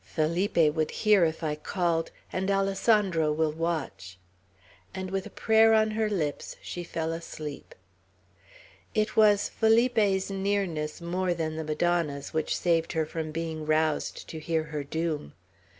Felipe would hear if I called; and Alessandro will watch." And with a prayer on her lips she fell asleep. It was Felipe's nearness more than the Madonna's, which saved her from being roused to hear her doom.